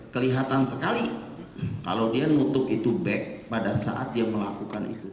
kelihatan sekali kalau dia nutup itu back pada saat dia melakukan itu